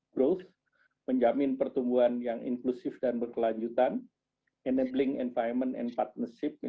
growth menjamin pertumbuhan yang inklusif dan berkelanjutan enabling environment and partnership